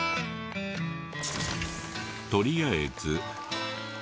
とりあえず。